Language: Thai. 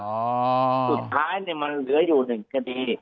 สุดท้ายเนี่ยมันเหลืออยู่หนึ่งคดี